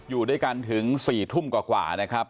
อยู่ด้วยกันถึง๔ทุ่มกว่านะครับ